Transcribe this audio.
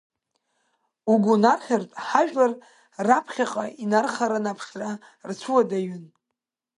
Угәы унархьыртә, ҳажәлар раԥхьаҟа инархараны аԥшра рцәыуадаҩын.